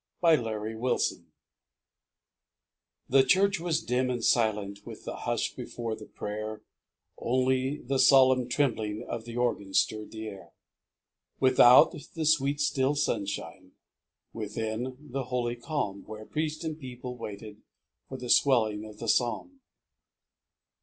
ENTERING IN The church was dim and silent With the hush before the prayer, Only the solemn trembling Of the organ stirred the air ; Without, the sweet, still sunshine ; Within, the holy calm Where priest and people waited For the swelling of the psalm.